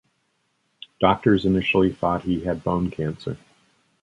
Doctors initially thought he had bone cancer.